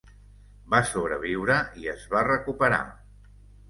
Va sobreviure i es va recuperar.